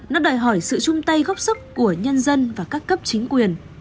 nó đòi hỏi sự chung tay góp sức của nhân dân và các cấp chính quyền